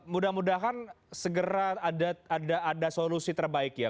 mudah mudahan segera ada solusi terbaik ya